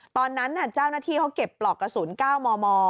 ตอนนั้นเจ้าหน้าที่เขาเก็บปลอกกระสุน๙มม